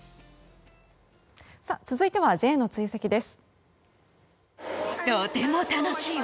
続いてはＪの追跡です。